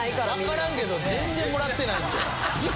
わからんけど全然もらってないんちゃう？